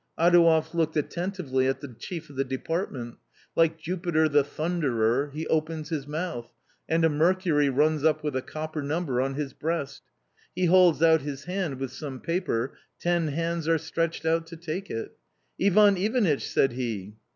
Adouev looked attentively at the chief of the department ; like Jupiter the Thunderer, he opens his mouth — and a Mercury runs up with a copper number on his breast ; he holds out his hand with some paper ; ten hands are stretched out to take it " Ivan Ivanitch !" said he.